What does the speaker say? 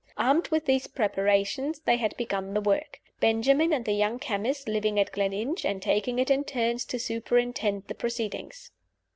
Armed with these preparations, they had begun the work; Benjamin and the young chemist living at Gleninch, and taking it in turns to superintend the proceedings.